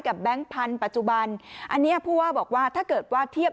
แบงค์พันธุ์ปัจจุบันอันนี้ผู้ว่าบอกว่าถ้าเกิดว่าเทียบ